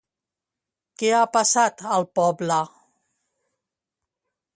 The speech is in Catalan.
Què ha passat al poble?